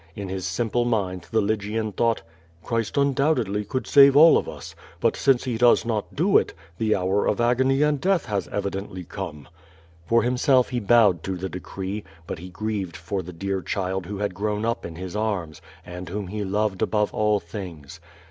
In his simple mind the Lygian thought: "Christ undoubtedly, could save all of us, but since he does not do so, the hour of agony and death has evidently come/' For himself he bowed to the decree, but he grieved for the dear child who had grown up in his arms, and whom he loved above all things.